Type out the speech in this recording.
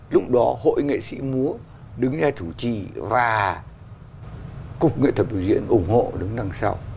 lúc đó hội nghệ sĩ múa đứng ra chủ trì và cục nghệ thuật biểu diễn ủng hộ đứng đằng sau